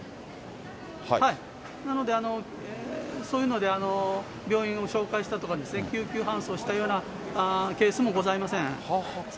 なので、そういうので病院を紹介したとかですね、救急搬送したようなケースもございません。